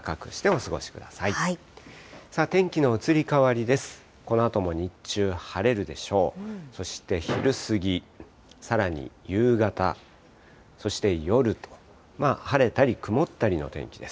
そして昼過ぎ、さらに夕方、そして夜と、晴れたり曇ったりの天気です。